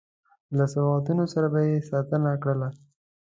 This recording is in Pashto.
له سوغاتونو سره به یې ستانه کړل.